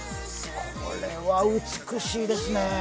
これは美しいですね。